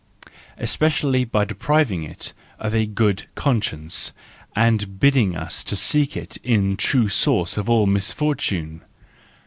especi¬ ally by depriving it of a good conscience, and bid¬ ding us seek in it the true source of all misfortune.